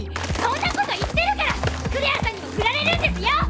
そんなこと言ってるからクレアさんにもふられるんですよ！